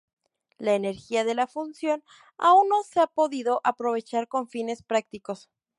La energía de la fusión aún no se ha podido aprovechar con fines prácticos.